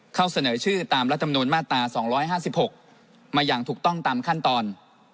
เสนอชื่อตามรัฐมนุนมาตรา๒๕๖มาอย่างถูกต้องตามขั้นตอน